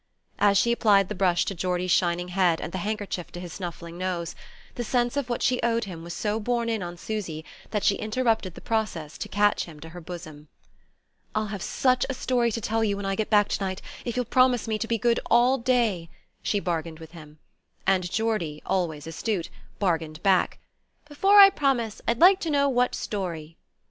As she applied the brush to Geordie's shining head and the handkerchief to his snuffling nose, the sense of what she owed him was so borne in on Susy that she interrupted the process to catch him to her bosom. "I'll have such a story to tell you when I get back to night, if you'll promise me to be good all day," she bargained with him; and Geordie, always astute, bargained back: "Before I promise, I'd like to know what story."